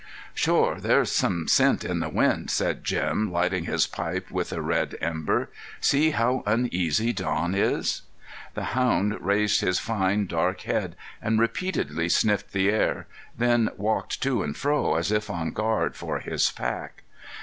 "Shore there's some scent on the wind," said Jim, lighting his pipe with a red ember. "See how uneasy Don is." The hound raised his fine, dark head and repeatedly sniffed the air, then walked to and fro as if on guard for his pack.